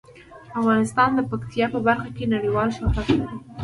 افغانستان د پکتیا په برخه کې نړیوال شهرت لري.